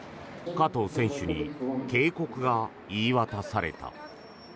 加藤選手に警告が言い渡された。